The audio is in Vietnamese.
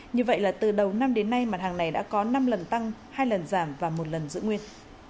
như vậy là từ đầu năm đến nay mặt hàng này đã có năm lần tăng hai lần giảm và một lần giữ nguyên